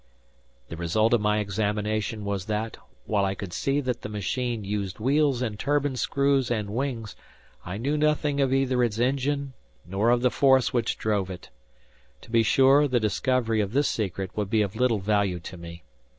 The result of my examination was that, while I could see that the machine used wheels and turbine screws and wings, I knew nothing of either its engine, nor of the force which drove it. To be sure, the discovery of this secret would be of little value to me.